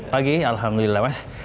baik alhamdulillah mas